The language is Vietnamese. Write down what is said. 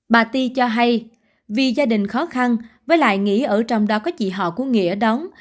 bà ti cho hay vì gia đình khó khăn với lại nghĩa ở trong đó có chị họ của nghĩa đóng